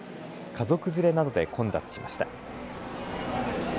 家族連れなどで混雑しました。